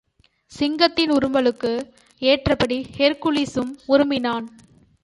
சிங்கத்தின் உறுமலுக்கு ஏற்றபடி ஹெர்குலிஸும் உறுமுனான்.